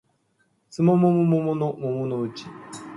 すもももももものもものうち